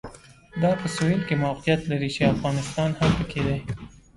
دا په سوېل کې موقعیت لري چې افغانستان هم پکې دی.